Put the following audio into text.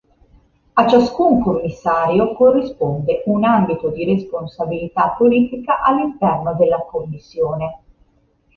A ciascun Commissario corrisponde un ambito di responsabilità politica all'interno della Commissione.